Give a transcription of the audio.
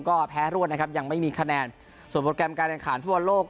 ก็แพ้รวดนะครับยังไม่มีคะแนนส่วนโปรแกรมการแข่งขันฟุตบอลโลก